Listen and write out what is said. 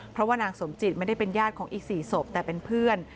เพราะว่านางสมจิตไม่ได้เป็นญาติของอีก๔ศพแต่เป็นเพื่อน